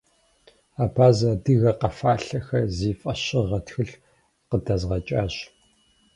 «Абазэ-адыгэ къэфалъэхэр» зи фӀэщыгъэ тхылъ къыдэзгъэкӀащ.